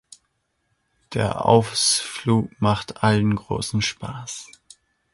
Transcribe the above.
Der Ausflug macht allen großen Spaß.